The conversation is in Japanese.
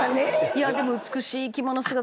いやでも美しい着物姿。